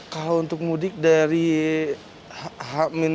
kalau untuk mudik dari hamin tiga puluh